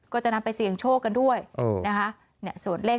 ก็จะนำไปเสี่ยงโชคกันด้วยนะคะ